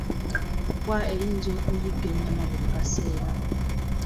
Embwa eyinza okuyigga enyamma buli kaseera .